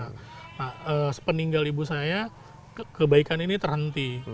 nah sepeninggal ibu saya kebaikan ini terhenti